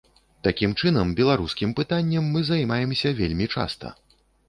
Такім чынам, беларускім пытаннем мы займаемся вельмі часта.